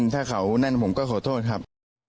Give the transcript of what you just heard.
ถ้าเขานั่นผมก็ขอโทษครับ